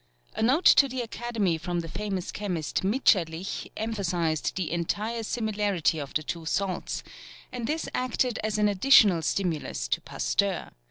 A note to the Academy from the famous chemist Mitscherlich emphasized the entire similarity of the two salts, and this acted as an additional stimulus to Pasteur.